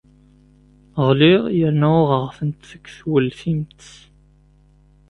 Ɣliɣ yerna uɣeɣ-tent deg tweltimt.